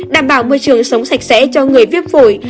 đảm bảo môi trường sống sạch sẽ cho người viết phổi